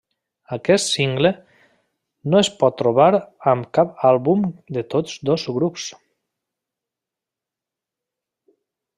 Aquest single no es pot trobar en cap àlbum de tots dos grups.